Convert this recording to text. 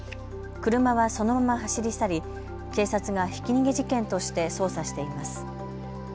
車はそのまま走り去り警察がひき逃げ事件として捜査しています。